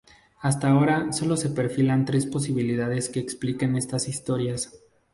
Hasta ahora sólo se perfilan tres posibilidades que expliquen estas historias.